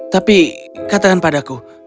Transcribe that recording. tapi katakan padaku